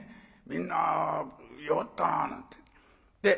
みんな弱ったなあなんて。